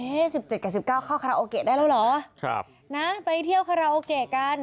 ๑๗กับ๑๙เข้าคาราโอเกะได้แล้วเหรอครับนะไปเที่ยวคาราโอเกะกัน